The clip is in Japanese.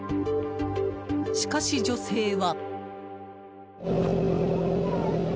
しかし、女性は。